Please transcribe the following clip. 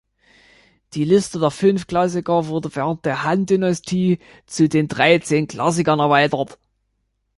Die Liste der Fünf Klassiker wurde während der Han-Dynastie zu den Dreizehn Klassikern erweitert.